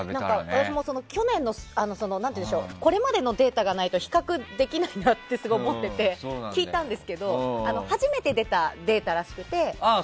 私もこれまでのデータがないと比較できないなって思ってて聞いたんですけど初めて出たデータらしくて。